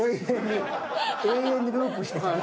永遠にループして。